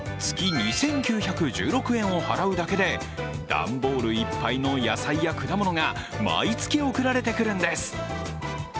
月２９１６円を払うだけで、段ボールいっぱいの野菜や果物が毎月送られてくるんです。